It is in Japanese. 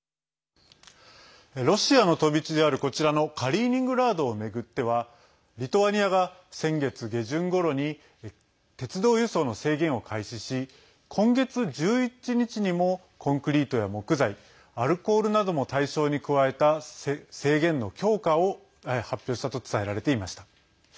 ロシアの飛び地であるこちらのカリーニングラードを巡ってはリトアニアが先月下旬ごろに鉄道輸送の制限を開始し今月１１日にもコンクリートや木材アルコールなども対象に加えた制限の強化を発表したと伝えられていました。